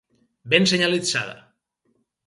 Ben senyalitzada.